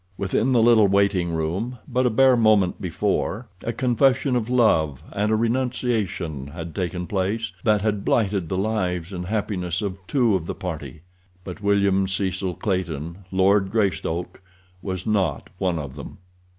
Within the little waiting room, but a bare moment before, a confession of love and a renunciation had taken place that had blighted the lives and happiness of two of the party, but William Cecil Clayton, Lord Greystoke, was not one of them.